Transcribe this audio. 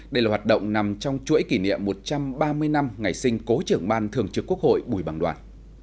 đây là hoạt động nằm trong chuỗi kỷ niệm một trăm ba mươi năm ngày sinh cố trưởng ban thường trực quốc hội bùi bằng đoàn